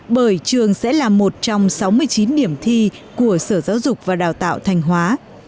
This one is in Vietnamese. bởi trường sẽ là một trong sáu mươi chín điểm thi của sở giáo dục và đào tạo thanh hóa